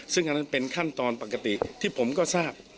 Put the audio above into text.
ซึ่งอันนั้นเป็นขั้นตอนปกติที่ผมก็ทราบ